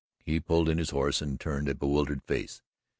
He pulled in his horse and turned a bewildered face.